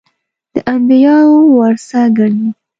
د انبیاوو ورثه ګڼي.